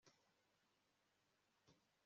Mubuzima imbere yawe ongera